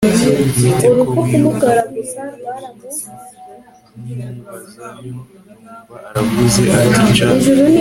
bite ko wiruka muriri joro bite!? nkimubaza ntyo, numva aravuze ati jack